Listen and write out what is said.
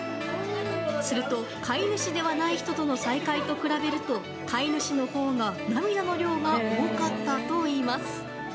すると、飼い主ではない人との再会と比べると飼い主のほうが涙の量が多かったといいます。